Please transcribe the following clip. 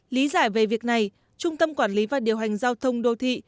lý giải về việc này trung tâm quản lý và điều hành giao thông đô thị